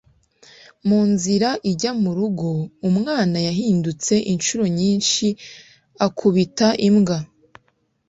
mu nzira ijya mu rugo umwana yahindutse inshuro nyinshi akubita imbwa